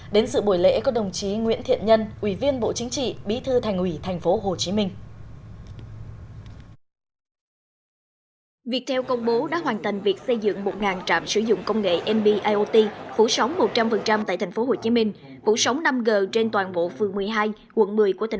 đến sự buổi lễ có đồng chí nguyễn thiện nhân ủy viên bộ chính trị bí thư thành ủy thành phố hồ chí minh